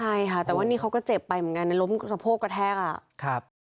ใช่ค่ะแต่วันนี้เขาก็เจ็บไปเหมือนกันล้มสะโพกกระแทก